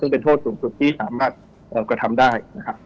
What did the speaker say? ซึ่งเป็นโทษสูงสุดที่สามารถกระทำได้นะครับ